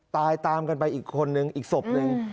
ตามกันไปอีกคนนึงอีกศพหนึ่ง